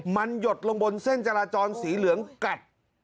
มันหยดลงบนเส้นจราจรสีเหลืองกัด